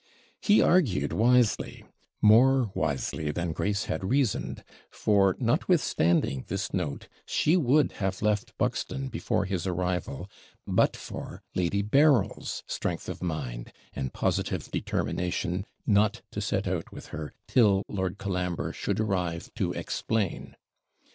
He argued wisely, more wisely than Grace had reasoned; for, notwithstanding this note, she would have left Buxton before his arrival, but for Lady Berryl's strength of mind, and positive determination not to set out with her till Lord Colambre should arrive to explain.